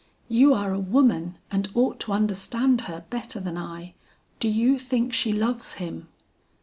'You are a woman and ought to understand her better than I. Do you think she loves him?'